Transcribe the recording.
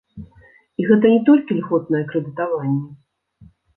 І гэта не толькі льготнае крэдытаванне.